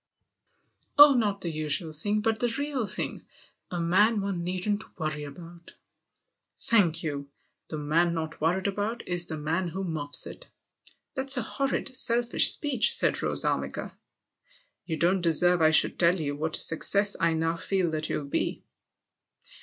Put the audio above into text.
" Oh, not the usual thing, but the real thing. A man one needn't worry about." " Thank you ! The man not worried about is the man who muffs it." " That's a horrid, selfish speech," said Rose Armiger. "You don't deserve I should tell you what a success I now feel that you'll be."